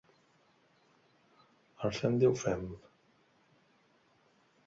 El fem diu fem.